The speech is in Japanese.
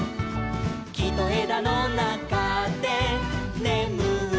「きとえだのなかでねむってる」